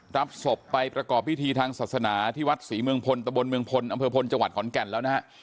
รับศพไปประกอบพิธีทางศาสนาที่วัดศรีเมืองพลตะบนเมืองพลอำเภอพลจังหวัดขอนแก่นแล้วนะฮะ